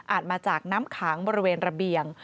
มาจากน้ำขังบริเวณระเบียง